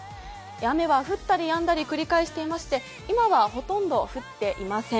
雨は降ったりやんだりを繰り返していまして今はほとんど降っていません。